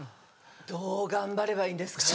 どう頑張ればいいんですかね？